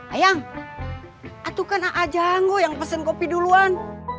ayang atuh kan a'a jahanggo yang pesen kopi duluan